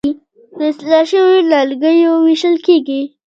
د اصلاح شویو نیالګیو ویشل کیږي.